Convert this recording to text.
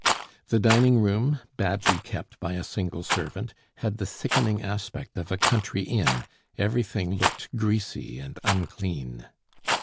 The dining room, badly kept by a single servant, had the sickening aspect of a country inn; everything looked greasy and unclean.